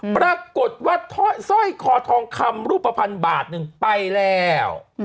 ปรากฏว่าสร้อยคอทองคำรูปภัณฑ์บาทหนึ่งไปแล้ว